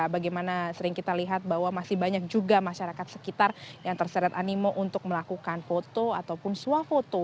bagaimana sering kita lihat bahwa masih banyak juga masyarakat sekitar yang terseret animo untuk melakukan foto ataupun swafoto